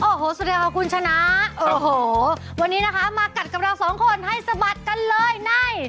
โอ้โหสวัสดีค่ะคุณชนะโอ้โหวันนี้นะคะมากัดกับเราสองคนให้สะบัดกันเลยใน